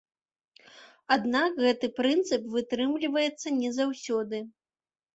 Аднак гэты прынцып вытрымліваецца не заўсёды.